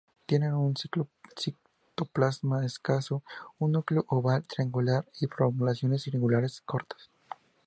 Tienen un citoplasma escaso, un núcleo oval o triangular y prolongaciones irregulares cortas.